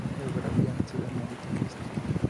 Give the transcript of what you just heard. Biografía, nacido en Monte Cristi